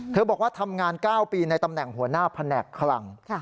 บอกว่าทำงาน๙ปีในตำแหน่งหัวหน้าแผนกคลัง